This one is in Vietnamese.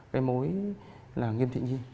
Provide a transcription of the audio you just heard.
cái mối là nghiêm thị nhi